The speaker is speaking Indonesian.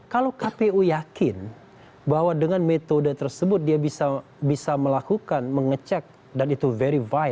kalau kpu yakin bahwa dengan metode tersebut dia bisa melakukan mengecek dan itu verifie